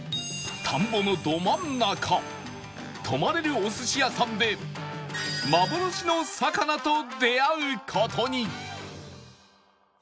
田んぼのど真ん中泊まれるお寿司屋さんで幻の魚と出会う事に